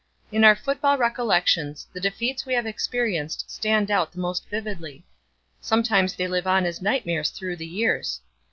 In our football recollections, the defeats we have experienced stand out the most vividly. Sometimes they live on as nightmares through the years.